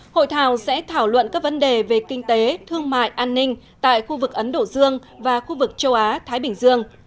hội thảo sẽ thảo luận các vấn đề về kinh tế thương mại an ninh tại khu vực ấn độ dương và khu vực châu á thái bình dương